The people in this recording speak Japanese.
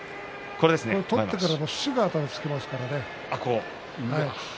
取ってからすぐ頭をつけますからね。